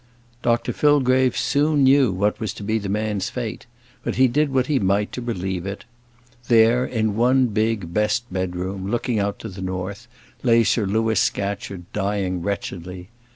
Dr Fillgrave soon knew what was to be the man's fate; but he did what he might to relieve it. There, in one big, best bedroom, looking out to the north, lay Sir Louis Scatcherd, dying wretchedly.